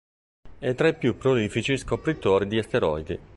È tra i più prolifici scopritori di asteroidi.